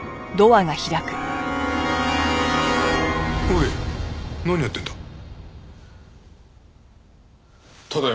おい何やってんだ？